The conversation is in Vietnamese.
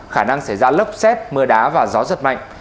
khả năng xảy ra lốc xét mưa đá và gió giật mạnh